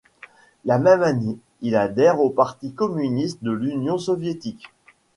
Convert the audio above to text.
La même année, il adhère au Parti communiste de l'Union soviétique.